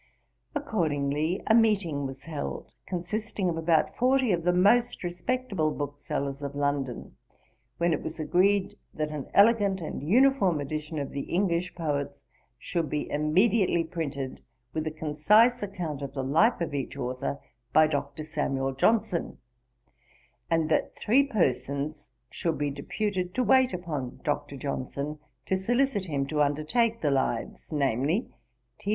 Accordingly a meeting was held, consisting of about forty of the most respectable booksellers of London, when it was agreed that an elegant and uniform edition of The English Poets should be immediately printed, with a concise account of the life of each authour, by Dr. Samuel Johnson; and that three persons should be deputed to wait upon Dr. Johnson, to solicit him to undertake the Lives, viz., T.